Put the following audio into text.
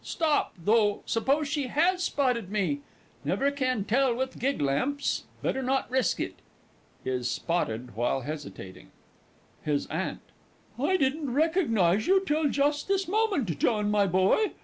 Stop, though, suppose she has spotted me? Never can tell with giglamps ... better not risk it. [Is "spotted" while hesitating. HIS AUNT. I didn't recognise you till just this moment, John, my boy.